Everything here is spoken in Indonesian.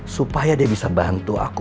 supaya dia bisa bantu aku